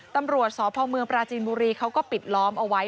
ตำรวจสพเมืองปราจีนบุรีเขาก็ปิดล้อมเอาไว้